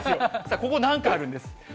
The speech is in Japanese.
ここ、なんかあるんです。